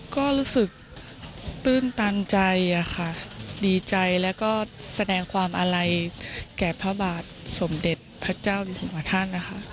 ก็รู้สึกตื้นตันใจค่ะดีใจแล้วก็แสดงความอาลัยแก่พระบาทสมเด็จพระเจ้าอยู่หัวท่านนะคะ